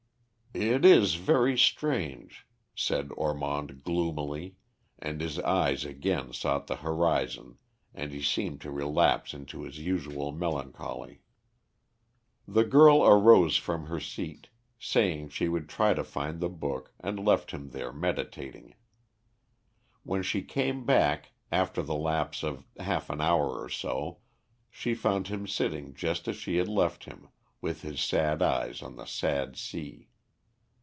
"It is very strange," said Ormond gloomily, and his eyes again sought the horizon and he seemed to relapse into his usual melancholy. The girl arose from her seat, saying she would try to find the book, and left him there meditating. When she came back, after the lapse of half an hour or so, she found him sitting just as she had left him, with his sad eyes on the sad sea.